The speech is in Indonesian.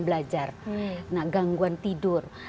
belajar gangguan tidur